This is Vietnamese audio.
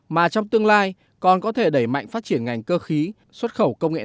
mà trong tương lai còn có thể đẩy mạnh phát triển ngành cơ khí xuất khẩu công nghệ cao